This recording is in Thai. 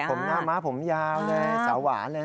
หมาผมยาวเลยสาวหวานเลย